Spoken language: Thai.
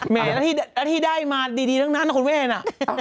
เหม่งนะของที่ได้มาดีตั้งคนน้ำคนแม่งน่ะ